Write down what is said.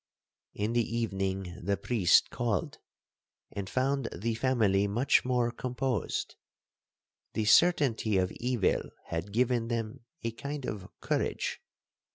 'In the evening the priest called, and found the family much more composed. The certainty of evil had given them a kind of courage.